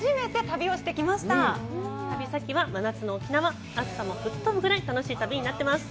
旅先は真夏の沖縄暑さも吹っ飛ぶぐらい楽しい旅になってます